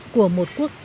của một quốc gia